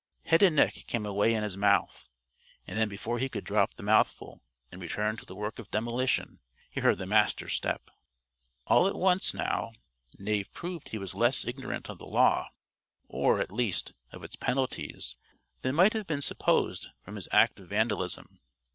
Head and neck came away in his mouth. And then before he could drop the mouthful and return to the work of demolition, he heard the Master's step. All at once, now, Knave proved he was less ignorant of the Law or, at least, of its penalties than might have been supposed from his act of vandalism.